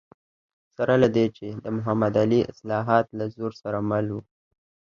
سره له دې چې د محمد علي اصلاحات له زور سره مل و.